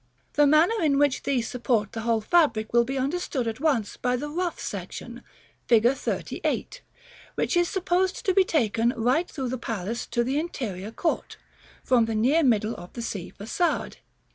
The manner in which these support the whole fabric will be understood at once by the rough section, fig. XXXVIII., which is supposed to be taken right through the palace to the interior court, from near the middle of the Sea Façade.